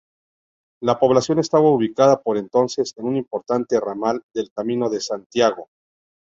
La población estaba ubicada por entonces en un importante ramal del Camino de Santiago.